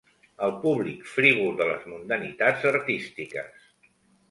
El públic frívol de les mundanitats artístiques.